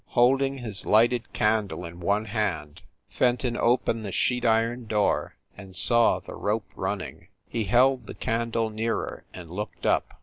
Holding his lighted candle in one hand, Fenton opened the sheet iron door and saw the rope run ning. He held the candle nearer and looked up.